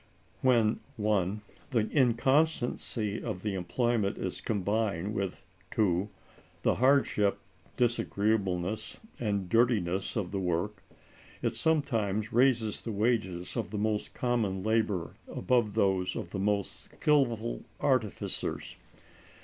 "When (1) the inconstancy of the employment is combined with (2) the hardship, disagreeableness, and dirtiness of the work, it sometimes raises the wages of the most common labor above those of the most skillful artificers.